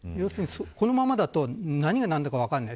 このままだと何が何だか分からない。